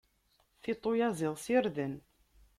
Tiṭ uyaziḍ s irden.